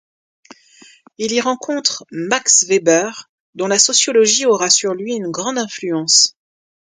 Il y rencontre Max Weber dont la sociologie aura sur lui une grande influence.